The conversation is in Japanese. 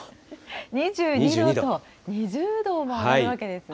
２２度と、２０度も上がるわけですね。